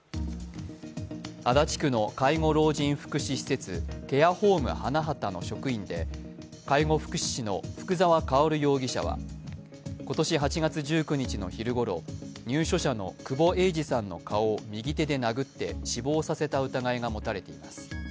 足立区の介護老人福祉施設・ケアホーム花畑の職員で介護福祉士の福沢薫容疑者は今年８月１９日の昼ごろ、入所者の久保栄治さんの顔を右手で殴って死亡させた疑いが持たれています。